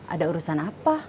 ada urusan apa